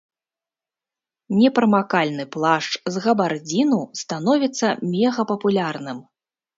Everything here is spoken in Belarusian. Непрамакальны плашч з габардзіну становіцца мегапапулярным.